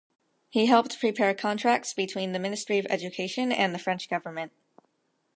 He helped prepare contracts between the Ministry of Education and the French Government.